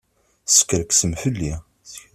Teskerksem fell-i.